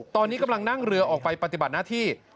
ตอนนี้กำลังนั่งเรือออกไปปฏิบัติหน้าที่